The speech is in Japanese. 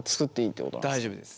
大丈夫です。